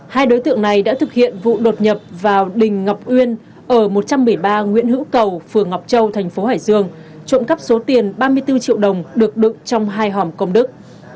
hai đối tượng này đã thực hiện vụ đột nhập vào đình ngọc uyên ở một trăm một mươi ba nguyễn hữu cầu phường ngọc châu thành phố hải dương trộm cắp số tiền ba mươi bốn triệu đồng được đựng trong hai hòm công đức